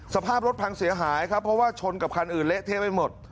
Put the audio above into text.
สภาพรถพังเสียหายครับเพราะว่าชนกับคันอื่นเละเทะไปหมด